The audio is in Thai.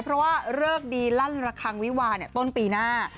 เพราะว่าเลิกดีลั่นระคังวิวาต้นปีหน้า